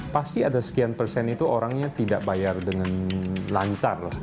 pasti ada sekian persen itu orangnya tidak bayar dengan lancar lah